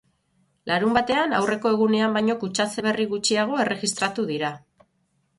Larunbatean aurreko egunean baino kutsatze berri gutxiago erregistratu dira.